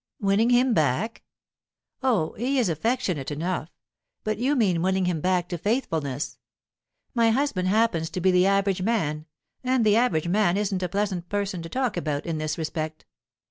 "Winning him back? Oh, he is affectionate enough. But you mean winning him back to faithfulness. My husband happens to be the average man, and the average man isn't a pleasant person to talk about, in this respect."